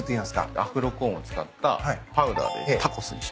アフロコーンを使ったパウダーでタコスにします。